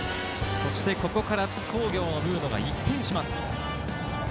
そしてここから津工業、ムードが一変します。